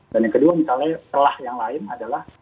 dan yang kedua misalnya telah yang lain adalah